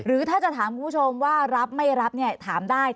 ถ้าจะถามคุณผู้ชมว่ารับไม่รับเนี่ยถามได้